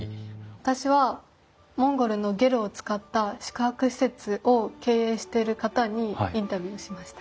私はモンゴルのゲルを使った宿泊施設を経営してる方にインタビューをしました。